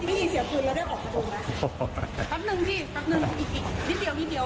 พี่เสียฟื้นแล้วได้ออกไปดูไหมแป๊บหนึ่งพี่แป๊บหนึ่งนิดเดียวนิดเดียว